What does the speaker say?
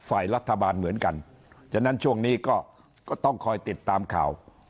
ฝ่ายรัฐบาลเหมือนกันฉะนั้นช่วงนี้ก็ต้องคอยติดตามข่าว